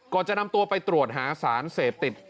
จะนำตัวไปตรวจหาสารเสพติด